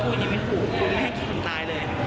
พูดยังไม่ถูกพูดไม่ให้คนตายเลย